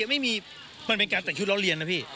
ไม่มีมันเป็นการแต่งชุดเล่าเรียนนะพี่